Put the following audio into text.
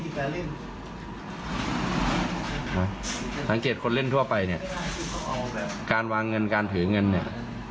การเล่นนะสังเกตคนเล่นทั่วไปเนี่ยการวางเงินการถือเงินเนี่ย